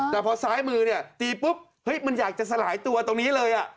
แต่พอซ้ายมือเนี่ยตีปุ๊บเฮ้ยมันอยากจะสลายตัวตรงนี้เลย